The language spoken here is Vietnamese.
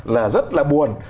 là rất là buồn